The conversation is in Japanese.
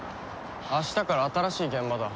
明日から新しい現場だ。